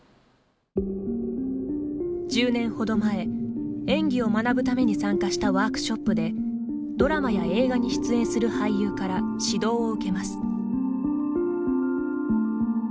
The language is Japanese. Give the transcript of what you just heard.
１０年ほど前、演技を学ぶために参加したワークショップでドラマや映画に出演する俳優から指導を受けます。